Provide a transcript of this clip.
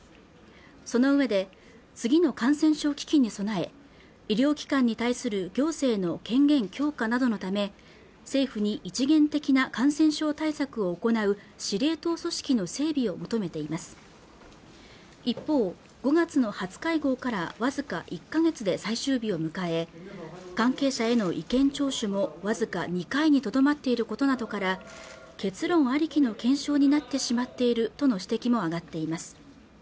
そのうえで次の感染症危機に備え医療機関に対する行政の権限強化などのため政府に一元的な感染症対策を行う司令塔組織の整備を求めています一方５月の初会合からわずか１ヶ月で最終日を迎え関係者への意見聴取もわずか２回にとどまっていることなどから結論ありきの検証になってしまっているとの指摘も上がっています